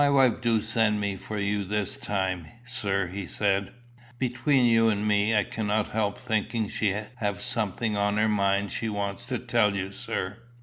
"My wife do send me for you this time, sir," he said. "Between you and me, I cannot help thinking she have something on her mind she wants to tell you, sir."